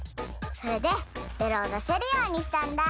それでベロをだせるようにしたんだ。